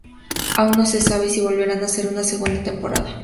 Aún no se sabe si volverán a hacer una segunda temporada.